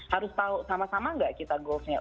harus tahu sama sama nggak kita goals nya